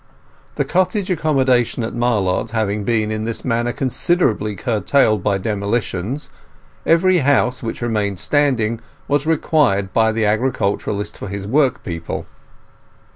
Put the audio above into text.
The cottage accommodation at Marlott having been in this manner considerably curtailed by demolitions, every house which remained standing was required by the agriculturist for his work people.